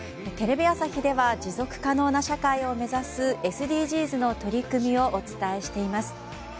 テレビ朝日では持続可能な社会を目指すＳＤＧｓの取り組みをお伝えしています。